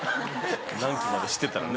何期まで知ってたらね。